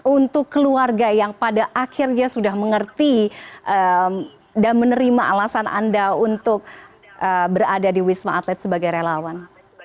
untuk keluarga yang pada akhirnya sudah mengerti dan menerima alasan anda untuk berada di wisma atlet sebagai relawan